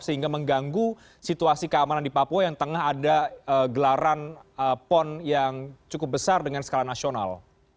sehingga mengganggu situasi keamanan di papua yang tengah ada gelaran pon yang cukup besar dengan skala nasional